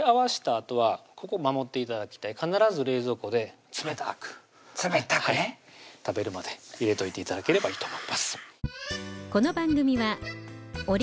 あとはここ守って頂きたい必ず冷蔵庫で冷たく冷たくね食べるまで入れといて頂ければいいと思います